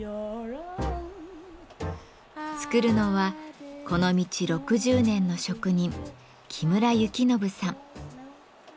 作るのはこの道６０年の職人木村幸信さん。